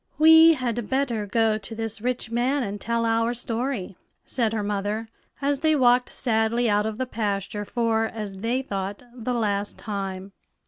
"We had better go to this rich man and tell our story," said her mother, as they walked sadly out of the pasture for, as they thought, the last time.